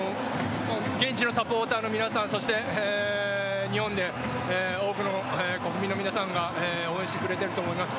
現地のサポーターの皆さんそして日本で多くの国民の皆さんが応援してくれていると思います。